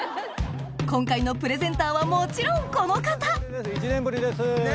今回のプレゼンターはもちろんこの方１年ぶりです。